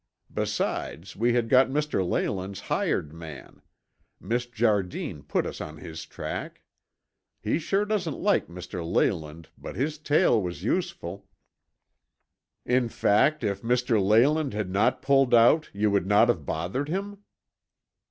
Besides, we had got Mr. Leyland's hired man; Miss Jardine put us on his track. He sure doesn't like Mr. Leyland but his tale was useful." "In fact, if Mr. Leyland had not pulled out, you would not have bothered him?"